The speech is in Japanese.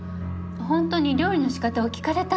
本当に料理の仕方を聞かれたんです。